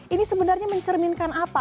ini sebenarnya mencerminkan apa